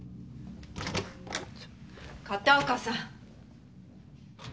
片岡さん。